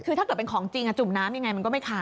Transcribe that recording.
คือถ้าเกิดเป็นของจริงจุ่มน้ำยังไงมันก็ไม่ขาด